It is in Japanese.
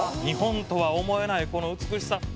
「日本とは思えないこの美しさ」